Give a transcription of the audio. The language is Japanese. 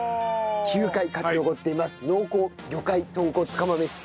９回勝ち残っています